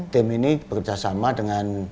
tim ini bekerjasama dengan